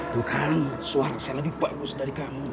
tuh kan suara saya lebih bagus dari kamu